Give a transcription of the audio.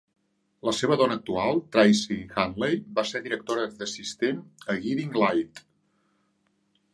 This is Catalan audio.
La seva dona actual, Tracey Hanley, va ser directora d'assistent a "Guiding Light".